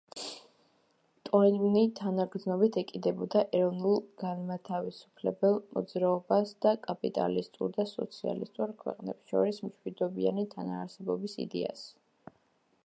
ტოინბი თანაგრძნობით ეკიდებოდა ეროვნულ-განმათავისუფლებელ მოძრაობას და კაპიტალისტურ და სოციალისტურ ქვეყნებს შორის მშვიდობიანი თანაარსებობის იდეას.